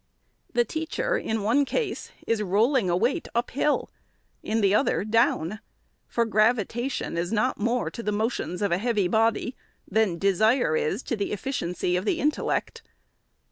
The teacher, in one case, is rolling a weight up hill ; in the other, down ; for gravitation is not more to the motions of a heavy body, than desire is to the efficiency of the in tellect.